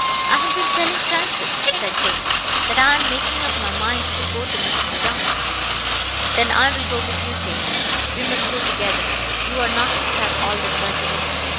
"I have been telling Francis," said Jane, "that I am making up my mind to go to Mrs. Dunn's." "Then I will go with you, Jane; we must go together; you are not to have all the drudgery."